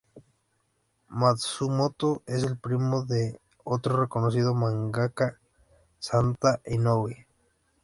Matsumoto es el primo de otro reconocido mangaka: Santa Inoue.